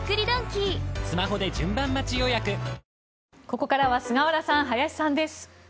ここからは菅原さん、林さんです。